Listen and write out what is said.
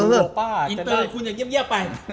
อินเตอร์คุณอย่างเยี่ยมไป